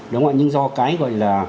đúng rồi nhưng do cái gọi là